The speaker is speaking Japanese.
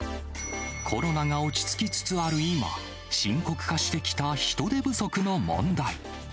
コロナが落ち着きつつある今、深刻化してきた人手不足の問題。